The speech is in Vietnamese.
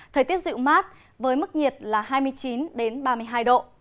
thời tiết dự mát với mức nhiệt là hai mươi chín đến ba mươi hai độ